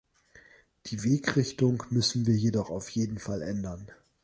Die Wegrichtung müssen wir jedoch auf jeden Fall ändern.